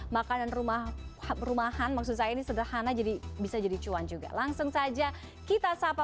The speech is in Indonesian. makanan rumah rumahan maksud saya ini sederhana jadi bisa jadi cuan juga langsung saja kita sapa